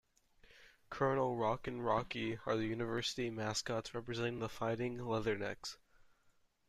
Colonel Rock and Rocky, are the University mascots representing "The Fighting Leathernecks".